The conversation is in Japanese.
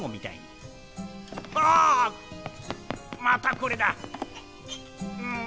またこれだ！